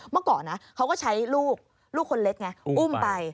เมื่อก่อนนะเขาก็ใช้ลูกลูกคนเล็กไงอุ้มไป